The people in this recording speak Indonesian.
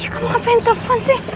kamu ngapain telepon sih